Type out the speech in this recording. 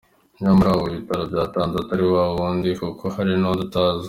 Nyamara uwo ibitaro byatanze atari wa wundi, kuko hari n’undi utazwi.